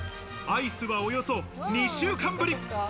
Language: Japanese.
アイスはおよそ２週間ぶり。